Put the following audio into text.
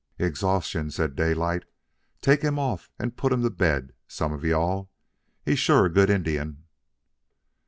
"Exhaustion," said Daylight. "Take him off and put him to bed, some of you all. He's sure a good Indian."